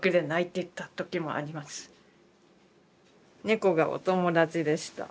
猫がお友達でした。